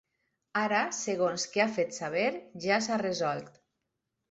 Ara, segons que ha fet saber, ja s’ha resolt.